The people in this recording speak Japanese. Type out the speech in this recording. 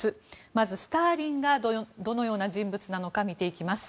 まずスターリンがどのような人物なのか見ていきます。